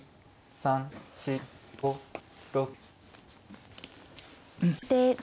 ３４５６７。